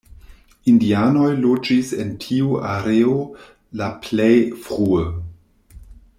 Indianoj loĝis en tiu areo la plej frue.